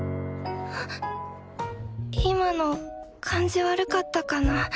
今の感じ悪かったかな？